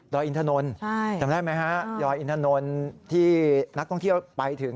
อินถนนจำได้ไหมฮะดอยอินถนนที่นักท่องเที่ยวไปถึง